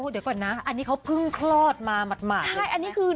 อ๋อเดียวก่อนนะอันนี้เขาเพิ่งคลอดมาหมดหมาย